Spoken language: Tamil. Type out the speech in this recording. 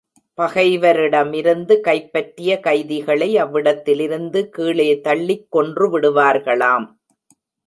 பகைவரிடமிருந்து கைப்பற்றிய கைதிகளை அவ்விடத்திலிருந்து கீழே தள்ளிக் கொன்றுவிடுவார்களாம்.